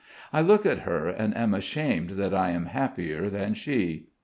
I look at her and am ashamed that I am happier than she.